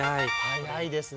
早いですね。